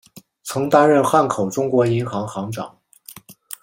曾担任汉口中国银行行长。